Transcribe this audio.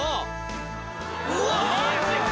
・うわマジか！